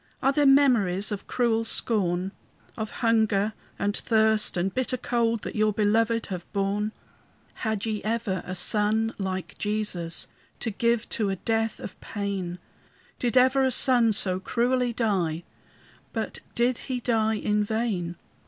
Are there memories of cruel scorn? Of hunger and thirst and bitter cold That your belovèd have borne? Had ye ever a son like Jesus To give to a death of pain? Did ever a son so cruelly die, But did he die in vain?